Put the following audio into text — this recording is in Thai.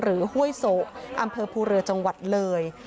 ห้วยโสอำเภอภูเรือจังหวัดเลย